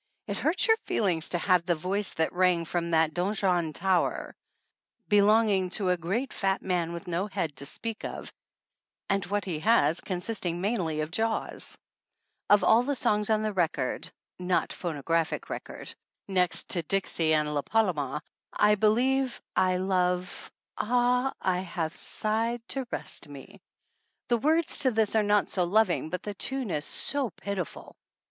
It hurts your feelings to have the " voice that rang from that donjon tower" be 37 THE ANNALS OF ANN longing to a great fat man with no head to speak of, and what he has consisting mainly of jaws. Of all the songs on record (not phono graphic record ) next to Dixie and La Paloma I believe I love Ah, I have sighed to rest me! The words to this are not so loving, but the tune is so pitiful.